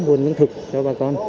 nguồn nguyên thực cho ba con